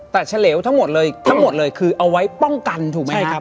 แต่เฉลวทั้งหมดเลยทั้งหมดเลยคือเอาไว้ป้องกันถูกไหมครับ